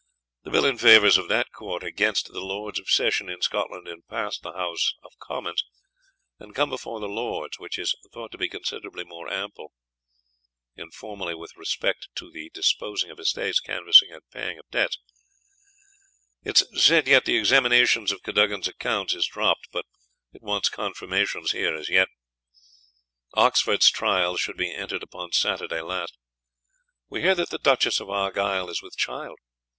The Bill in favours of that Court against the Lords of Session in Scotland in past the house of Commons and Come before the Lords which is thought to be considerably more ample yn formerly wt respect to the Disposeing of estates Canvassing and paying of Debts. It's said yt the examinations of Cadugans accounts is droped but it wants Confirmations here as yet. Oxford's tryals should be entered upon Saturday last. We hear that the Duchess of Argyle is wt child.